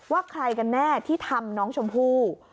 ว่าใครกันแน่ที่ทำน้องชมพู่